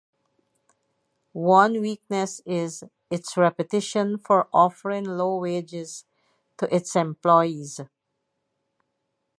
One weakness is its reputation for offering low wages to its employees.